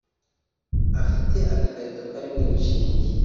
afite agakarito karimo inshinge